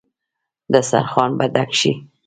دسترخان به ډک شي.